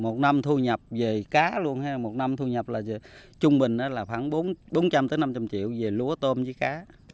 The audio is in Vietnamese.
một năm thu nhập về cá luôn hay một năm thu nhập là trung bình là khoảng bốn trăm linh năm trăm linh triệu về lúa tôm với cá